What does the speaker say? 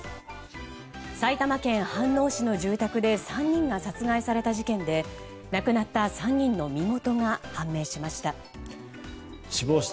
埼玉県飯能市の住宅で３人が殺害された事件で亡くなった３人の身元が判明しました。